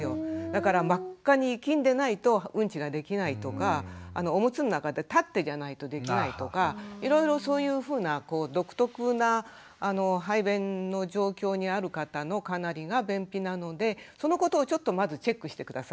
だから真っ赤にいきんでないとうんちができないとかおむつの中で立ってじゃないとできないとかいろいろそういうふうな独特な排便の状況にある方のかなりが便秘なのでそのことをちょっとまずチェックして下さい。